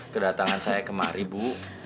kedatangan saya kemari bu